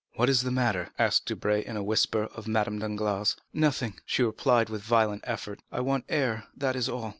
"What is the matter?" asked Debray, in a whisper, of Madame Danglars. "Nothing," she replied with a violent effort. "I want air, that is all."